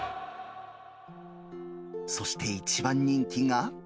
そして一番人気が。